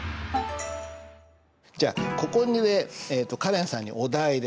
じゃあここでカレンさんにお題です。